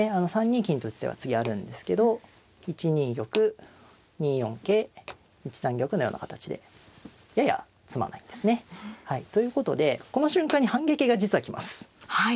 ３二金と打つ手は次あるんですけど１二玉２四桂１三玉のような形でやや詰まないんですね。ということでこの瞬間に反撃が実は来ます。